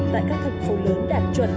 tại các thành phố lớn đạt chuẩn